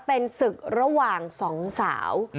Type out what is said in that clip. เป็นศึกระหว่างสองสาว